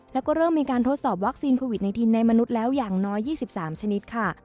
แล้วก็เริ่มมีการทดสอบวัคซีนโควิด๑๙ในมนุษย์แล้วอย่างน้อย๒๓ชนิดค่ะ